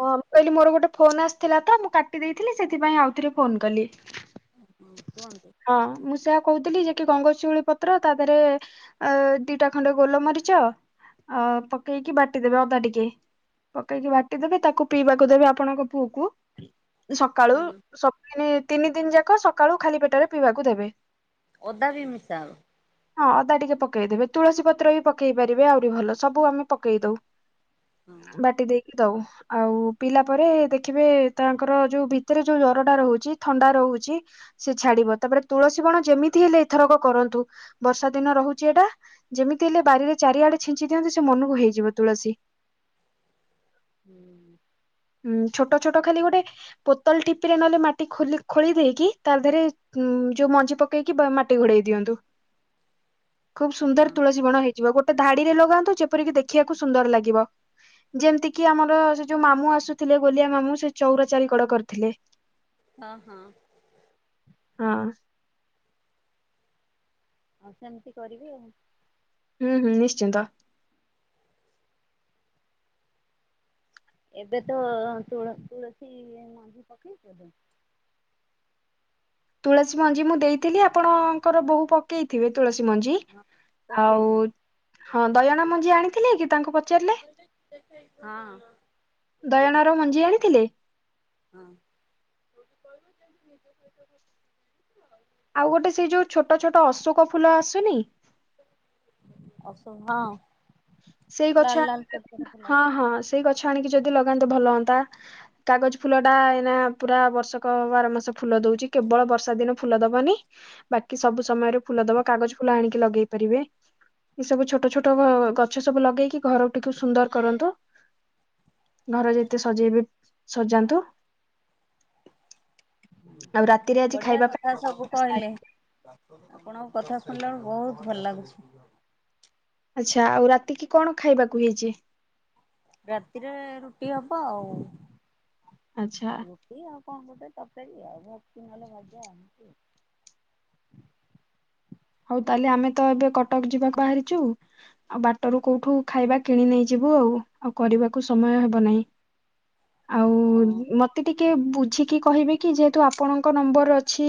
ହଁ ମୁଁ କହିଲି ମୋର ଗୋଟେ ଫୋନ୍ ଆସିଥିଲା ତ ମୁଁ କାଟି ଦେଇଥିଲି ସେଥିପାଇଁ ଆଉ ଥରେ ଫୋନ୍ କଲି। ହୁଁ କୁହନ୍ ହଁ ମୁଁ ସେୟା କୋହୁଥିଲି ଯେ କି ଗଙ୍ଗଶିଉଳି ପତ୍ର ତା ଧେରେ ଏ ଦିଟା ଖଣ୍ଡେ ଗୋଲ ମରି ଚ ଅ ପକେଇକି ବାଟି ଦେବେ ଅଦା ଟିକେ। ପକେଇକି ବାଟି ଦେବେ ତାକୁ ପିଇବାକୁ ଦେବେ ଆପଣଙ୍କ ପୁଅକୁ। ସକାଳୁ ହଁ ସକାଳେ ତିନି ଦିନ ଯାକ ସକାଳୁ ଖାଲି ପେଟରେ ପିଇବାକୁ ଦେବେ। ଅଦା ବି ମିଶା ହବ। ହଁ ଅଦା ଟିକେ ପକେଇଦେବେ ତୁଳସୀ ପତ୍ର ବି ପକେଇ ପାରିବେ ଆହୁରି ଭଲ। ସବୁ ଆମେ ପକେଇ ଦଉ। ହଁ। ବାଟି ଦେଇକି ଦଉ ଆଉ ପିିଇଲା ପରେ ଦେଖିବେ ତାଙ୍କର ଯୋଉ ଭିତରେ ଯୋଉ ଜ ରଟା ରହୁଚି ଥଣ୍ଡା ରହୁଚି ସେ ଛାଡ଼ିବ। ତାପରେ ତୁଳସୀ ବଣ ଯେମିତି ହେଲେ ଏଥରକ କରନ୍ତୁ ବର୍ଷା ଦିନ ରହୁଚି ଏଟା ଯେମିତି ହେଲେ ବାରିରେ ଚାରିଆଡ଼େ ଛିଞ୍ଚି ଦିଅନ୍ତୁ ସେ ମନକୁ ହେଇଯିବ ତୁଳସୀ। ହୁଁ। ଉଁ ଛୋଟ ଛୋଟ ଖାଲି ଗୋଟେ ପୋତଲ ଠିପିରେ ନହେଲେ ମାଟି ଖୋଲି ଖୋଳି ଦେଇକି ତା ଧେରେ ଉଁ ଯୋଉ ମଞ୍ଜି ପକେଇକି ବ ମାଟି ଘୋଡ଼େଇ ଦିଅନ୍ତୁ। ଖୁବ ହଁ ସୁନ୍ଦର ତୁଳସୀବଣ ହେଇ ଯିବ ଗୋଟେ ଧାଡ଼ିରେ ଲଗାନ୍ତୁ ଯେପରି କି ଦେଖିବାକୁ ସୁନ୍ଦର ଲାଗିବ। ଯେମତି କିି ଆମର ସେ ଯୋଉ ମାମୁଁ ଆସୁଥିଲେ ଗୋଲିଆ ମାମୁଁ ସେ ଚୋଉରା ଚାରିିକଡ଼ କରିଥିଲେ। ହଁ ହଁ। ହଁ। ଆଉ ସେମତି କରିବି ଆଉ। ହୁଁ ହୁଁ ନିଶ୍ଚିନ୍ତ। ଏବେ ତ ତୁଳ ତୁଳସୀ ମଞ୍ଜି ପକେଇଚୁ ଏବେ। ତୁଳସୀ ମଞ୍ଜି ମୁଁ ଦେଇଥିଲି ଆପଣଙ୍କର ବୋହୁ ପକେଇଥିବେ। ତୁଳସୀ ମଞ୍ଜି ହଁ ଆଉ ପକେଇଛନ୍ତି ହଁ ଦୟଣା ମଞ୍ଜି ଆଣିଥିଲେ କି ତାଙ୍କୁ ପଚାରିଲେ। ହଁ ଦୟଣାର ମଞ୍ଜି ଆଣିଥିଲେ? ହଁ। ଆଉ ଗୋଟେ ସେଇ ଯୋଉ ଛୋଟ ଛୋଟ ଅଶୋକ ଫୁଲ ଆସୁନି? ଅଶୋକ ହଁ। ସେଇ ଗଛ ଲାଲ ଲାଲ ଆଣିବା ଛୋଟ ଛୋଟ ଦିନ ଫୁଲ ହଁ ହଁ ସେଇ ଗ ଛ ଆଣିକି ଯଦି ଲଗାନ୍ତେ ଭଲ ହନ୍ତା। କାଗଜ ଫୁଲଟା ଏନା ପୁରା ବର୍ଷକ ବାର ମାସ ଫୁଲ ଦୋଉଚି କେବଳ ବର୍ଷା ଦିନ ଫୁଲ ଦବନି ବାକି ସବୁ ସମୟରେ ଫୁଲ ଦବ କାଗଜ ଫୁଲ ଆଣିକି ଲଗେଇ ପାରିବେ। ଏ ଏସବୁ ଛୋଟ ଛୋଟ ଗ ଗଛ ସବୁ ଲଗେଇକି ଘରଟିକୁ ସୁନ୍ଦର କରନ୍ତୁ। ଘରେ ଯେତେ ସଜେଇବେ ସଜାନ୍ତୁ। ଆଉ ରାତିରେ ଆଜି ବଢ଼ିଆ ଖାଇବା କଥା ସବୁ ପାଇଁ କହିଲେ। ଆପଣଙ୍କ କଥା ଶୁଣିଲା ଅଳୁ ବହୁତ ଭଲ ଲାଗୁଛି। ଆଚ୍ଛା ଆଉ ରାତି କିି କଣ ଖାଇବାକୁ ହେଇଚି? ରାତିରେ ରୁଟି ହବ ଆଉ ଆଚ୍ଛା ରୁଟି ଆଉ କଣ ଗୋଟେ ତରକାରୀ ଆଉ ରୁଟି ନହେଲେ ଭଜା ଏମତି। ହଉ ତାହେଲେ ଆମେ ତ ଏବେ କଟକ ଯିବାକୁ ବାହାରିଛୁ ଆଉ ବାଟରୁ କୋଉଠୁ ଖାଇବା କିଣି ନେଇଯି ବୁ ଆଉ ଆଉ କରିବାକୁ ସମୟ ହବ ନାହିଁ ଆଉ ମତେ ଟି ଟିକେ ବୁଝିକି କହିବେ କି ଯେହେତୁ ଆପଣଙ୍କ ନମ୍ବର ଅଛି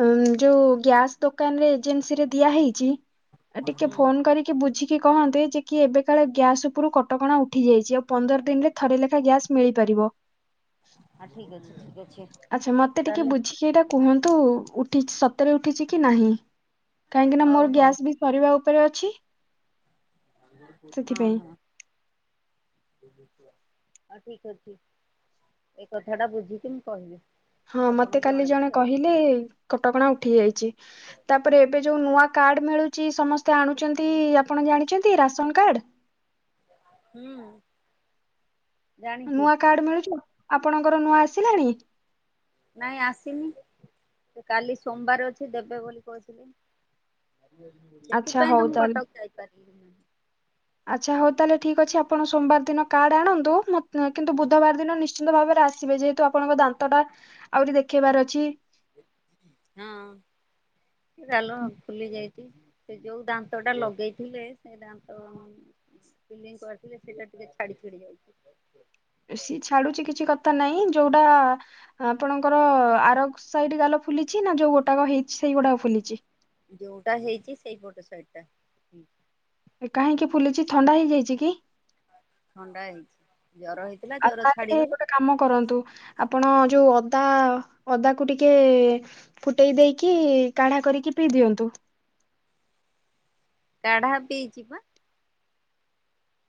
ଅଁ ଯୋଉ ଗ୍ୟାସ୍ ଦୋକାନରେ। ଏଜେନ୍ସୀ ରେ ଦିଆ ହେଇଚି ଆଁ ହଁ ଟିକେ ହୁଁ ଫୋନ କରିକି ବୁଝି କହନ୍ତି ଯେ କି ଏବେ କାଳେ ଗ୍ୟାସ ଉପରୁ କଟକଣା ଉଠି ଯାଇଛି ଆଉ ପନ୍ଦର ଦିନରେ ଥରେ ଲେଖା ଗ୍ୟାସ୍ ମିଳିପାରିବ ବ ହଁ ଠିକ ଅଛି ଠିକ ଅ ଆଚ୍ଛା ମତେ ଟିକେ ବୁଝିକି ଏଇଟା କୁହନ୍ତୁ ଉଠି ସତରେ ଉଠିଛି କି ନାହିଁ। କାହିଁକି ନା ହଉ ମୋର ହଉ ଗ୍ୟାସ ବି ସରିବା ଉପରେ ଅଛି। ହଁ ସେଥିପାଇଁ ହଁ। ହଁ ଠିକ ଅଛି ଏ କଥା ଟା ବୁଝିକି ମୁଁ କହିବି। ହଁ ମତେ ଆପଣଙ୍କୁ କାଲି ଜଣେଇବି ଜଣେ ଆଉ କହିଲେ କଟକଣା ଉଠି ଯାଇଛି, ତାପରେ ଏବେ ଯୋଉ ନୂଆ କା କାର୍ଡ ମିଳୁଛି, ସମସ୍ତେ ଆଣୁଛନ୍ତି, ଆପଣ ଜାଣିଛନ୍ତି ରାସନ କାର୍ଡ଼ ହଁ। ନୂଆ କାର୍ଡ ମିଳୁଛି ଆପଣଙ୍କର ନୂଆ ଆସିଲାଣି। ନାଇଁ ଆସିନି, ସେ କାଲି ସୋମବାର ଅଛି ଦେବେ ବୋଲି କହୁଥିଲି। ଆଚ୍ଛା ସେଥିପାଇଁ ହଉ ତ ମୁଁ ତାହେଲେ କଟକ ଯାଇପାରି ଆଚ୍ଛା ହଉ, ତାହେଲେ ଠିକ ଅଛି ଆପଣ ସୋମବାର ଦିନ କାର୍ଡ ଆଣନ୍ତୁ। କିନ୍ତୁ ବୁଧବାର ଦିନ ନିଶ୍ଚିନ୍ତ ଭାବରେ ଆସିବେ ଯେହେତୁ ଆପଣଙ୍କ ଦାନ୍ତଟା ଆହୁରି ଦେଖେଇବାର ଅଛି। ହଁ। ଗାଲ ଫୁଲି ଯାଇଛି। ସେ ଯୋଉ ଦାନ୍ତଟା ଲଗେଇଥିଲେ ସେ ଦାନ୍ତ ଫିଲିଙ୍ଗ କରିଥିଲେ ସେଇଟା ଟିକେ ଛାଡି ଛାଡି ଯାଉଛି। ସେ ଛାଡୁଛି କିଛି କଥା ନାହିଁ। ଯୋଉଟା ଆପଣଙ୍କର ଆର ସାଇଡ ଗାଲ ଫୁଲିଛି ନା ଯୋଉ ଗୋଟାକ ହେଇଛି ସେଇଗୋଟାକ ଫୁଲିଛି? ଯୋଉଟା ହେଇଛି ସେଇପଟ ସାଇଡ୍ ଟା। ଏ କାହିଁକି ଫୁଲିଛି ଥଣ୍ଡା ହେଇଯାଇଛି କି? ଥଣ୍ଡା ହେଇଛି। ଜର ହେଇଥିଲା ଆଉ ଜର ତାହେଲେ ଛାଡିଗଲା ଗୋଟେ କାମ କରନ୍ତୁ। ଆପଣ ଯୋଉ ଅଦା, ଅଦାକୁ ଟିକେ ଫୁଟେଇ ଦେଇକି କାଢା କରିକି ପିଇଦିଅନ୍ତୁ। କାଢ଼ା ପିଇଛି ପା।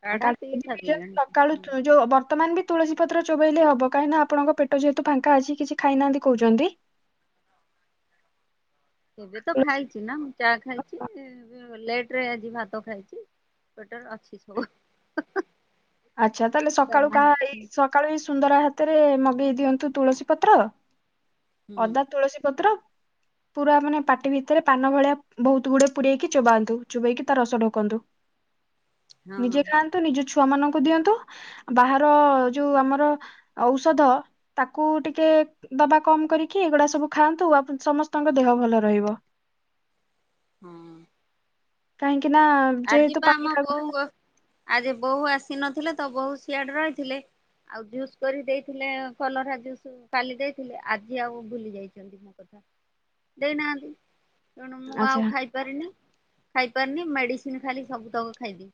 କାଢା ଢ଼ା ପିଇ ଯଦି ପିଇଛନ୍ତି ସାରିଲିଣି। ସକାଳୁ ଯୋଉ ବର୍ତ୍ତମାନ ବି ତୁଳସୀ ପତ୍ର ଚୋବେଇଲେ ହବ, କାହିଁକି ନା ଆପଣଙ୍କ ପେଟ ଯେହେତୁ ଫାଙ୍କା ଅଛି, କିଛି ଖାଇନାହାନ୍ତି କହୁଛନ୍ତି। ଏବେ ତ ତୁଳସୀ- ଖାଇଛି ନା, ମୁଁ ଚା ଖାଇଛି। ଲେଟରେ ଆଜି ଭାତ ଖାଇଛି। ପେଟରେ ଅଛି ସବୁ। ଆଚ୍ଛା ତାହେଲେ ସକାଳୁ ଦାନା କାହା ହୁଁ ସକାଳୁ ଏଇ ସୁନ୍ଦର ସେଇଥିରେ ମଗେଇ ଦିଅନ୍ତୁ ତୁଳସୀ ପତ୍ର, ଅଦା ତୁଳସୀ ପତ୍ର। ପୁରା ମାନେ, ପାଟି ଭିତରେ ପାନ ଭଳିଆ ବହୁତ ଗୁଡେ ପୁରେଇକି ଚୋବାନ୍ତୁ, ଚୋବେଇକି ତା ରସ ଢ଼ୋକନ୍ତୁ। ନିଜେ ହଁ ଖାଆନ୍ତୁ ନିଜ ଛୁଆ ମାନଙ୍କୁ ଦିଅନ୍ତୁ ବାହାର ଯୋଉ ଆମର ଔଷଧ ତାକୁ ଟିକେ ଦବା କମ କରିକି ଏଗୁଡା ସବୁ ଖାଆନ୍ତୁ, ଆପ ସମସ୍ତଙ୍କ ଦେହ ଭଲ ରହିବ। ହଁ। କାହିଁକି ନା ଆଜି ଯେହେତୁ ପା ପାଣି ଆମ ପାଗ ବୋଉ ଆଜି ବୋଉ ଆସି ନଥିଲେ ତ ବୋଉ ସିଆଡେ ରହିଥିଲେ। ଆଉ ଜୁସ୍ କରି ଦେଇଥିଲେ କଲରା ଜୁସ୍ କାଲି ଦେଇଥିଲେ ଆଜି ଆଉ ଭୁଲି ଯାଇଛନ୍ତି ମୋ କଥା ଦେଇ ନାହାନ୍ତି। ତେଣୁ ମୁଁ ଆଉ ଆଚ୍ଛା ଖାଇପାରିନି, ଖାଇପାରିନି ମେଡିସିନ ଖାଲି ସବୁ ତକ ଖାଇଦେଇଛି।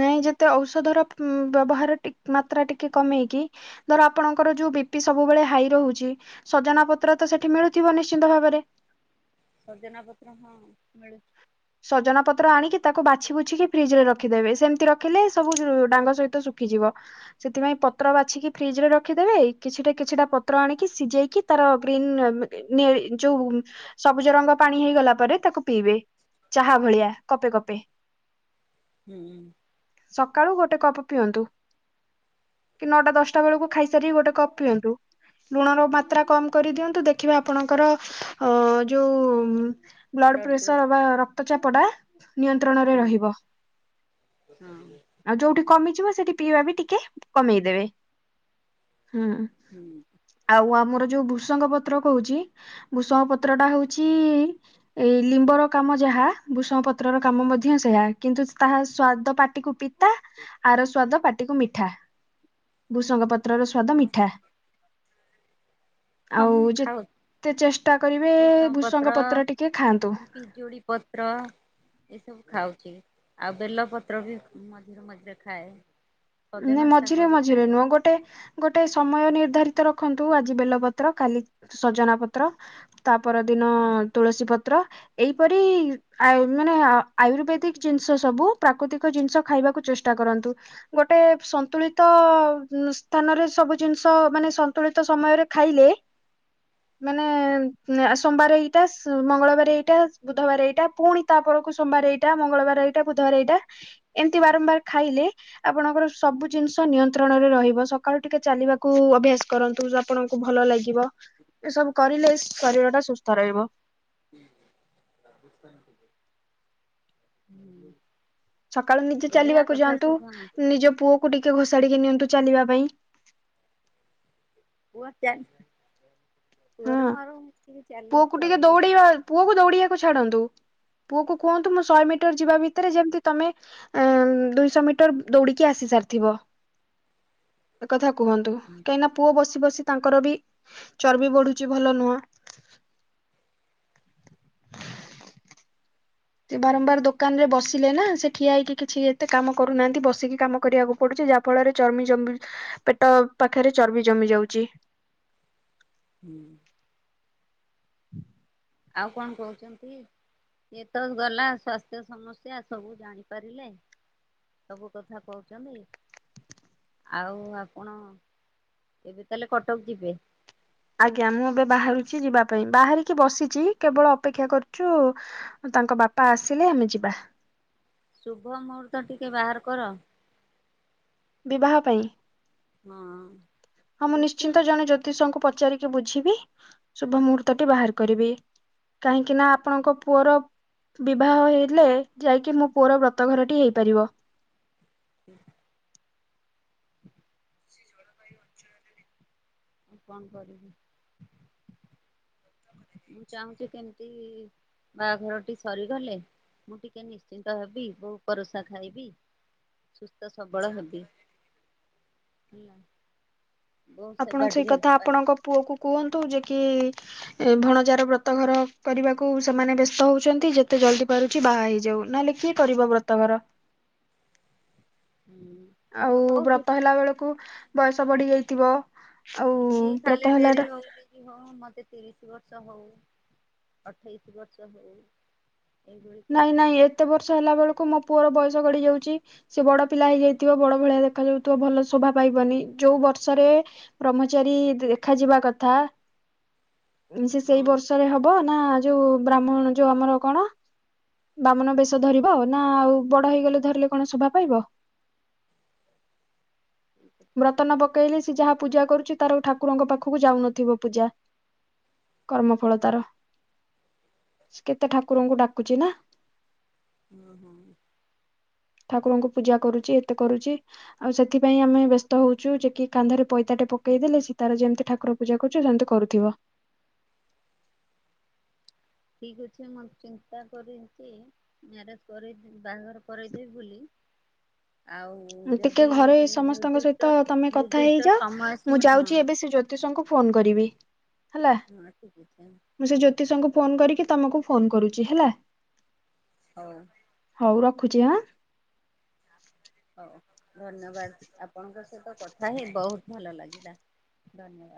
ନାଇଁ ଯେତେ ଔଷଧ ର ଉଁ ବ୍ୟବହାର ଟି ମାତ୍ରା ଟିକେ କମେଇକି ଧର ଆପଣଙ୍କର ଯଉ ବି ପି ସବୁବେଳେ ହାଇ ରହୁଚି ସଜନା ପତ୍ର ତ ସେଠି ମିଳୁଥିବ ନିଶ୍ଚିନ୍ତ ଭାବରେ। ସଜନା ପତ୍ର ହଁ। ସଜନା ପତ୍ର ଆଣକି ତାକୁ ବାଛି ବୁଛିି କି ଫ୍ରିଜରେ ରଖିଦେବେ, ସେମିତି ରଖିଲେ ସବୁ ଡାଙ୍ଗ ସହିତ ଶୁଖିଯିବ ସେଥିପାଇଁ। ପତ୍ର ବାଛିକି ଫ୍ରିଜରେ ରଖିଦେବେ, କିଛିଟା କିଛିଟା ପତ୍ର ଆଣିକି ସିଝେଇକି ତାର ଗ୍ରୀନ୍ ଉଁ ନେ ଯୋଉ ସବୁଜ ରଙ୍ଗ ପାଣି ହେଇଗଲା, ପରେ ତାକୁ ପିଇବେ। ଚାହା ଭଳିଆ କପେ କପେ। ହୁଁ। ସକାଳୁ ଗୋଟେ କପ ପିଅନ୍ତୁ। କି ନଅଟା ଦଶଟା ବେଳକୁ ଖାଇସାରି ଗୋଟେ କପ୍ ପିଅନ୍ତୁ। ଲୁଣ ର ମାତ୍ରା କମ କରି ଦିଅନ୍ତୁ ଦେଖିବା ଆପଣଙ୍କର ଅ ଯୋଉଁ ବ୍ଲଡ ପ୍ରେସର ବା ରକ୍ତ ଚାପଟା ନିୟନ୍ତ୍ରଣରେ ରହିବ। ଆଉ ଯୋଉଠି କମିଯିବ ସେଠି ପିଇବା ବି ଟି କେ କମେଇ ଦେବେ ହୁଁ ହଁ ଆଉ ଆମର ଯୋଉ ବୁ ଭୃସଙ୍ଗ ପତ୍ର କହୁଛି ଭୃସଙ୍ଗ ପତ୍ରଟା ହଉଛି ଏ ଲିମ୍ବର କାମ ଯାହା ଭୂସଙ୍ଗ ପତ୍ରର କାମ ମଧ୍ୟ ସେୟା କିନ୍ତୁ ତାହା ସ୍ଵାଦ ପାଟିକୁ ପି ତା ଆର ସ୍ଵାଦ ପାଟିକୁ ମିଠା ଭୁସଙ୍ଗ ପତ୍ରର ସ୍ଵାଦ ହଁ। ମିଠା। ହଁ ଆଉ ମୁଁ ଖାଉଛି ଯେତେ ଚେଷ୍ଟା କରିବେ ଭୂଷଙ୍ଗ ପତ୍ର ଟିକେ ଖାଆନ୍ତୁ। ପିଜୁଳି ପତ୍ର। ଏସବୁ ଖାଉଛି ଆଉ ବେଲପତ୍ର ବି ମଝିରେ ମଝିରେ ଖାଏ। ନା ସଜନା ମଝିରେ ଶାଗ ବି ମଝିରେ ଖାଏ ନୁହଁ ଗୋଟେ ଗୋଟେ ସମୟ ନିର୍ଦ୍ଧାରି ତ ରଖନ୍ତୁ ଆଜି ବେଲପତ୍ର କାଲି ସଜନା ପତ୍ର ତାପର ଦିନ ଅ ତୁଳସୀ ପତ୍ର। ଏପରି ଅ ମାନେ ଆ ଆୟୁର୍ବେଦିକ ଜିନିଷ ସବୁ ପ୍ରାକୃତିକ ଜିନିଷ ଖାଇବାକୁ କୁ ଚେଷ୍ଟା କରନ୍ତୁ। ଗୋଟେ ସନ୍ତୁଳିତ ମ ସ୍ଥାନରେ ସବୁ ଜିନିଷ ମାନେ ସନ୍ତୁଳିତ ସମୟରେ ଖାଇଲେ। [inaudible] ମାନେ ଉମ ସୋମବାର ଏଇଟା ମଙ୍ଗଳବାର ଏଇଟା ବୁଧବାର ଏଇଟା ପୁଣି ତାପରେ ସୋମବାର ଏଇଟା ମଙ୍ଗଳବାର ଏଇଟା ବୁଧବାର ଏଇଟା ଏମିତି ବାରମ୍ବାର ଖାଇଲେ। ଆପଣଙ୍କର ସବୁ ଜିନିଷ ନିୟନ୍ତ୍ରଣରେ ରହିବ ସକାଳୁ ଟିକେ ଚାଲିବାକୁ ଅଭ୍ୟାସ କରନ୍ତୁ ଆପଣଙ୍କୁ ଭଲ ଲାଗିବ ଏ ସବୁ କରିଲେ ଶରୀର ଟା ସୁସ୍ଥ ରହିବ। [inaudible] ସକାଳୁ ନିଜେ ବଢିଆ ଚାଲିବାକୁ କଥା ଯାଆନ୍ତୁ ସବୁ ନିଜ ପୁଅକୁ ଟିକେ ଘୋଷାଡିକି ନିଅନ୍ତୁ ଚାଲିବା ପାଇଁ [unintelligible] ହଁ ପୁଅର ମୋର ମିଶିକି ଚାଲୁଛୁ ପୁଅକୁ ଆଉ ଟିକେ ଏଇ ଦୌଡେଇବା ପାଖାପାଖି ପୁଅକୁ ଦୌଡିବାକୁ ଛାଡନ୍ତୁ। ପୁଅ କୁ କୁହନ୍ତୁ ମୁଁ ଶହେ ମିଟର ଯିବା ଭିତରେ ଯେମିତି ତମେ ଉମ ଦୁଇଶହ ମିଟର ଦୌଡିକି ଆସି ସା ଥିବ ଏକଥା କୁହନ୍ତୁ କାହିଁକିନା ପୁଅ ବସି ବସି ତାଙ୍କର ବି ଚର୍ବି ବଢୁ ଭଲ ନୁହଁ। ସେ ବାରମ୍ବାର ଦୋକାନରେ ବସ ଥିଲେ ନା ସେ ଠିଆ ହେଇକି କିଛି ଏତେ କାମ କରୁନାହାନ୍ତି ବସିକି କାମ କରିବାକୁ ପଡୁଛି ଯାହା ଫଳରେ ଚର୍ମି ଜ ପେଟ ପାଖରେ ଚର୍ବି ଜମି ଯାଉଛି। ହଁ। [inaudible] ଆଉ କଣ କହୁଛନ୍ତି? ଏ ତ ଗଲା ସ୍ୱାସ୍ଥ୍ୟ ସମସ୍ୟା ସବୁ ଜାଣିପାରିଲେ। ସବୁ କଥା କହୁଛନ୍ତି। ଆଉ ଆପଣ ଏବେ ତାହେଲେ କଟକ ଯିବେ। ଆଜ୍ଞା ମୁଁ ଏବେ ବାହାରୁଛି ଯିବା ପାଇଁ ବାହାରିକି ବସିଛି କେବଳ ଅପେକ୍ଷା କରୁଛୁ। ତାଙ୍କ ବାପା ଆସିଲେ ଆମେ ଯିବା। ଶୁଭ ମୁହୂର୍ତ୍ତ ଟିକେ ବାହାର କର। ବିବାହ ପାଇଁ ହଁ ହଁ ମୁଁ ନିଶ୍ଚିନ୍ତ ରିସେଣ୍ଟ ଜଣେ ଜ୍ୟୋତିଷଙ୍କୁ ପ ପଚାରିକି ବୁଝିବି ଶୁଭ ମୁହୂର୍ତ୍ତ ଟି ବାହାର କରିବି। କାହିଁକି ନା ଆପଣଙ୍କ ପୁଅର ବିବାହ ହେଲେ ଯାଇକି ମୋ ପୁଅର ବ୍ରତ ଘରଟି ହେଇପାରିବ। [inaudible] [inaudible] [inaudible] ମୁଁ କଣ କରିବି? [inaudible] ମୁଁ ଚାହୁଁଛି କେମିତି ବାହାଘରଟି ସରିଗଲେ ମୁଁ ଟିକେ ନିଶ୍ଚିନ୍ତ ହେବି ବହୁ ପରସା ଖାଇବି। ସୁସ୍ଥ ସବଳ ହେବି। ବୋଉ ଆପଣ ସେବା ସେଇ ଟିକେ କଥା ପାଇବି ଆପଣଙ୍କ ପୁଅକୁ କୁହନ୍ତୁ ଯେ କି ଭଣଜାର ବ୍ରତ ଘର କରିବାକୁ ସେମାନେ ବ୍ୟସ୍ତ ହଉଛନ୍ତି ଯେତେ ଜଲଦି ପାରୁଛି ବାହା ହେଇଯାଉ ନହେଲେ କିଏ କରିବ ବ୍ରତଘର? ହୁଁ ମୁଁ ଆଉ ତ ବ୍ରତ କହୁଥିଲି ହେଲା ବେଳକୁ ବୟସ ବଢି ଯାଇଥିବ। ଆଉ ସିଏ ବ୍ରତ ଖାଲି ହେଲାଟା ଡେରି ହଉ କି ହଉ ମତେ ତିରିଶ ଶ ବର୍ଷ ହଉ ଅଠେଇଶି ବର୍ଷ ହଉ ଏଇଭଳି ନାଇଁ କହୁଛି ନାଇଁ ଏତେ ବର୍ଷ ହେଲା ବେଳକୁ ମୋ ପୁଅର ବୟସ ଗଡିି ଯାଉଛି ସେ ବଡ ପିଲା ହେଇଯାଇଥିବ ବଡ ଭଳିଆ ଦେଖାଯାଉଥିବ ଭଲ ଶୋଭା ପାଇବନି ଯୋଉ ବର୍ଷରେ ବ୍ରହ୍ମଚାରୀ ଦେଖାଯିବା କଥା ସେ ସେଇ ହଁ। ବର୍ଷରେ ହବ ନା ଯୋଉ ବ୍ରାହ୍ମଣ ଯୋଉ ଆମର କଣ ବାମନ ବେଶ ଧରିବ ନା ଆଉ ବଡ ହେଇଗଲେ ଧରିଲେ କଣ ଶୋଭା ପାଇବ। ବ୍ରତନ ପକେଇଲେ ସେ ଯାହା ପୂଜା କରୁଛି ତାର ଠାକୁରଙ୍କ ପାଖକୁ ଯାଉନଥିବ ପୂଜା କର୍ମଫଳତାର କେତେ ଠାକୁରଙ୍କୁ ଡା କକୁୁଛି ନା। ହୁଁ ହୁଁ, ଠାକୁରଙ୍କୁ ପୂଜା କରୁଛି ଏତେ କରୁଛି ଆଉ ସେଥିପାଇଁ ଆମେ ବ୍ୟସ୍ତ ହଉଛୁ ଯେ କି କାନ୍ଧରେ ପଇତାଟେ ପକ ପକେଇଦେଲେ ସ ତାର ଯେମତି ଠାକୁର ପୂଜା କରୁଚି ସେମିତି କରୁଥିବ। ଠିକ ଅଛି ମୁଁ ଚିନ୍ତା କରିଛି ମ୍ୟାରେଜ କରେଇଦି ବାହାଘର କରେଇଦେବି ବୋଲି। ଆଉ ଟିକେ ଯଦି ଘରେ ସମସ୍ତଙ୍କ ସହିତ ନିର୍ଦ୍ଦିଷ୍ଟ ତମେ କଥା ନିର୍ଦ୍ଦିଷ୍ଟ ହେଇଯାଅ ସମୟ ମୁଁ ସୀମା ହଁ ଯାଉଛି ଏବେ ସେ ଜ୍ୟୋତିଷଙ୍କୁ ଫଫୋନ କରିବି ହେଲା ହଁ ଠିକ୍ ଅଛି ମୁ ସେ ଜୋତିଶଙ୍କୁ ଫୋନ କରିକି ତମକୁ ଫୋନ କରୁଛି ହେଲା। ହଉ, ହଉ ରଖୁଛି ହଆଁ ହଉ ଧନ୍ୟବାଦ ଆପଣଙ୍କ ସହିତ କଥା ହିଁ ବହୁତ ଭଲ ଲାଗିଲା ଧନ୍ୟବାଦ।